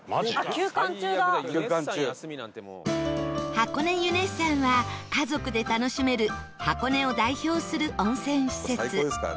箱根ユネッサンは家族で楽しめる箱根を代表する温泉施設